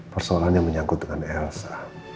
persoalannya menyangkut dengan elsa